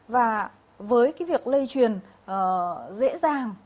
và với cái việc lây truyền dễ dàng